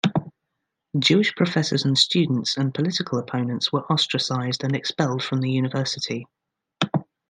Jewish professors and students and political opponents were ostracized and expelled from the university.